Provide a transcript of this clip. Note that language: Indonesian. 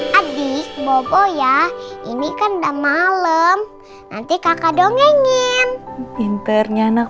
hai adik adik bobo ya ini kan udah malem nanti kakak dong ngengin pinternya anak